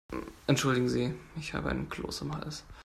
Entschuldigen Sie, ich habe einen Kloß im Hals.